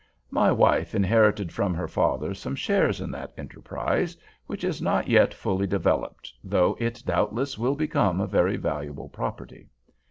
My wife inherited from her father some shares in that enterprise, which is not yet fully developed, though it doubtless will become a very valuable property.